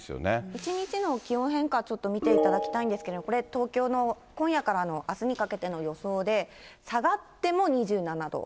一日の気温変化をちょっと見ていただきたいんですけど、これ、東京の今夜からのあすにかけての予想で、下がっても２７度。